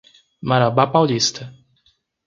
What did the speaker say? Marabá Paulista